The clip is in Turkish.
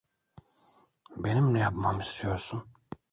Benim ne yapmamı istiyorsun?